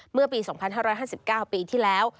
เมื่อปี๒๕๕๙ปีที่แล้ว